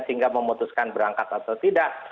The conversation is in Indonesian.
sehingga memutuskan berangkat atau tidak